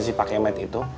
si pak kemet itu